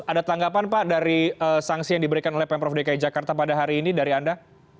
ada tanggapan pak dari sanksi yang diberikan oleh pemprov dki jakarta pada hari ini dari anda